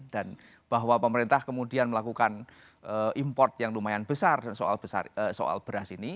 dan bahwa pemerintah kemudian melakukan import yang lumayan besar soal beras ini